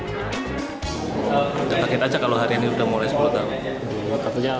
nggak kaget aja kalau hari ini sudah mulai sepuluh tahun